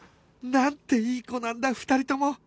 なんていい子なんだ２人とも！